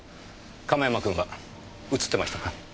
亀山君は映ってましたか？